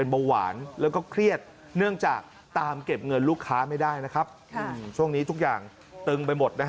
เบื้องต้น